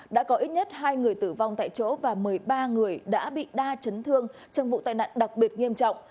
đã có ít nhất hai người tử vong tại chỗ và một mươi ba người đã bị đa chấn thương trong vụ tai nạn đặc biệt nghiêm trọng